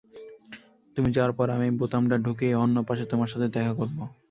তুমি যাওয়ার পর, আমি বোতামটা ঢুকিয়ে অন্য পাশে তোমার সাথে দেখা করব।